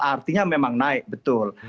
artinya memang naik betul